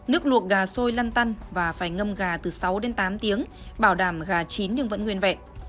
nước luộc gà xôi lăn tăn và phải ngâm gà từ sáu đến tám tiếng bảo đảm gà chín nhưng vẫn nguyên vẹn